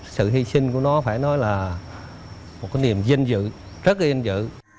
sự hy sinh của nó phải nói là một cái niềm vinh dự rất là vinh dự